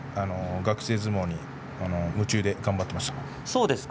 学生相撲、夢中で頑張っていました。